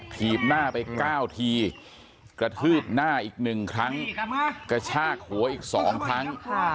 ถีบหน้าไป๙ทีกระทืบหน้าอีก๑ครั้งกระชากหัวอีก๒ครั้ง